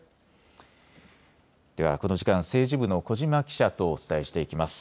ではこの時間、政治部の小嶋記者とお伝えしていきます。